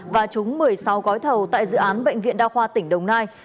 và trúng một mươi sáu gói thầu tại dự án bệnh viện đa khoa tỉnh đồng nai